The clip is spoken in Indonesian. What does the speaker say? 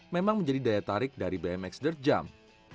memang menjadi daya tarik dari bmx derd jump